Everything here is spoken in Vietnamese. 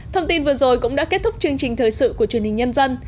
thông tin vừa rồi cũng đã kết thúc chương trình thời sự của truyền hình nhân dân